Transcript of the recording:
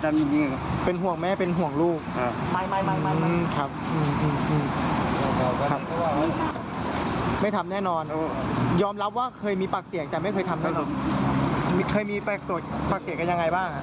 แต่ไม่คิดทำอยู่แล้วเพราะหนึ่งมีครีศเลย